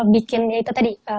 bikin ya itu tadi